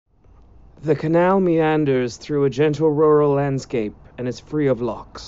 The canal meanders through a gentle rural landscape and is free of locks.